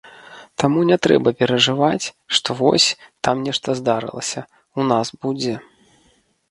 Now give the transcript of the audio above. Таму не трэба перажываць, што вось, там нешта здарылася, у нас будзе.